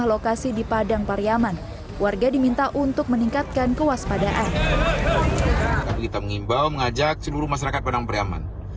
hai padang pariaman warga diminta untuk meningkatkan kewaspadaan kita mengimbau mengajak masyarakat permacaman